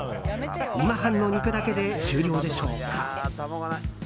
今半の肉だけで終了でしょうか。